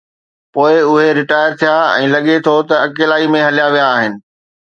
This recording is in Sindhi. پوءِ اهي ريٽائر ٿيا ۽ لڳي ٿو ته اڪيلائي ۾ هليا ويا آهن.